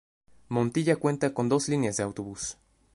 Montilla cuenta con dos líneas de autobús.